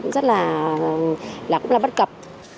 rất là là cũng là bất cập